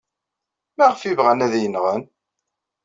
Maɣef ay bɣan ad iyi-nɣen?